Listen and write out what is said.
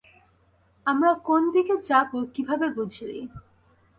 আমরা কোনদিকে যাবো কিভাবে বুঝলি?